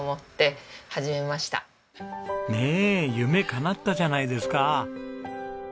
ねえ夢かなったじゃないですか。